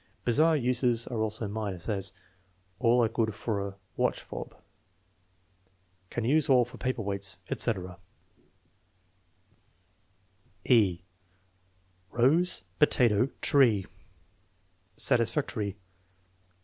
Bizarre uses are also minus > as, "All are good for a watch fob," "Can use all for paper weights," etc. (e) Rose, potato, tree Satisfactory.